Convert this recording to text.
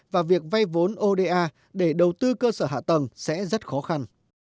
và việc vay vốn oda để đầu tư cơ sở hạ tầng sẽ rất khó khăn